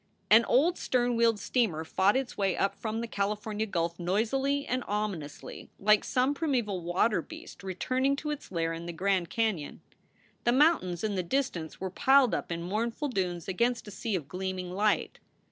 An old stern wheeled steamer fought its way up from the California gulf noisily and ominously, like some primeval water beast returning to its lair in the Grand Canon. The mountains in the distance were piled up in mournful dunes against a sea of gleaming light.